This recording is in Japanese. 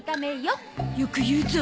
よく言うゾ。